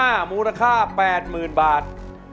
เพลงที่๕มูลค่าแปดหมื่นบาท